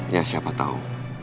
ya siapa tau